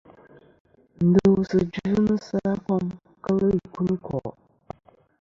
Ndosɨ dvɨnɨsɨ a kom nɨn kel ikunikò'.